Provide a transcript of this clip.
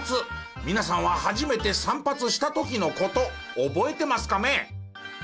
皆さんは初めて散髪した時の事覚えてますカメ？